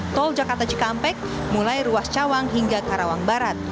tol jakarta cikampek mulai ruas cawang hingga karawang barat